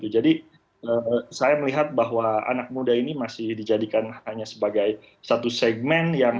jadi saya melihat bahwa anak muda ini masih dijadikan hanya sebagai satu segmen